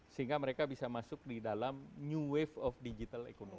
sehingga mereka bisa masuk di dalam new wave of digital economy